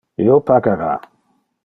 Io pagara.